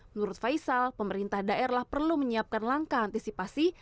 menurut faisal pemerintah daerah perlu menyiapkan langkah antisipasi